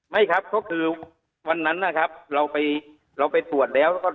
ไม่ครับเพราะวันนั้นเราไปตรวจแล้ว